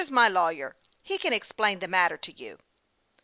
Here's my lawyer ; he can explain the matter to you."